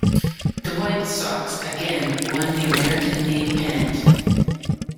The White Sox again won the American League pennant.